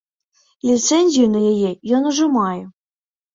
Ліцэнзію на яе ён ужо мае.